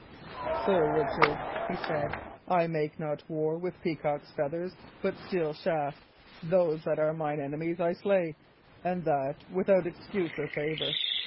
"Sir Richard," he said, "I make not war with peacock's feathers, but steel shafts. Those that are mine enemies I slay, and that without excuse or favour.